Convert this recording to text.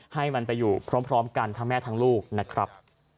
ให้มันไปอยู่พร้อมกันทั้งแม่ทั้งลูกนะครับ